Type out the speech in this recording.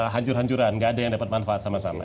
hancur hancuran nggak ada yang dapat manfaat sama sama